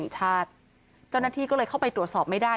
เจ้าหน้าที่ก็เลยเข้าไปตรวจสอบไม่ได้